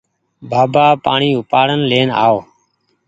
بآبآ پآڻيٚ اُپآڙين لين آئو